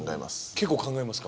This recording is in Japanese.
結構考えますか？